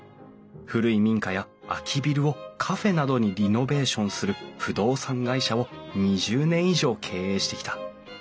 古い民家や空きビルをカフェなどにリノベーションする不動産会社を２０年以上経営してきた。